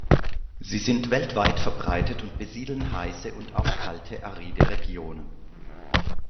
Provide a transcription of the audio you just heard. Sie sind weltweit verbreitet und besiedeln heiße und auch kalte aride Regionen.